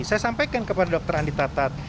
saya sampaikan kepada dr andi tatat